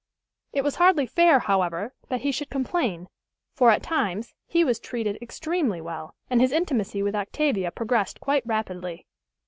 It was hardly fair, however, that he should complain; for, at times, he was treated extremely well, and his intimacy with Octavia progressed quite rapidly.